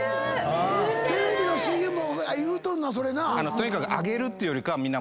とにかく上げるっていうよりかはみんな。